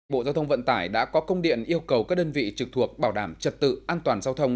bộ giao thông vận tải đã có công điện yêu cầu các đơn vị trực thuộc bảo đảm trật tự an toàn giao thông